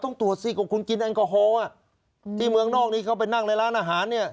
ต้องตรวจสิว่าคุณกินแอลกอฮอลที่เมืองนอกนี้เขาไปนั่งในร้านอาหารเนี่ย